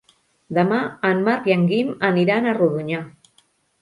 Demà en Marc i en Guim aniran a Rodonyà.